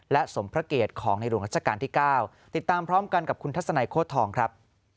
และสมพระเกตของในหลวงรัชกาลที่๙ติดตามพร้อมกันกับคุณทัศนัยโคตรทองครับ